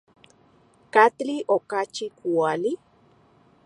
¿Katli okachi kuali?